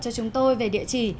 cho chúng tôi về địa chỉ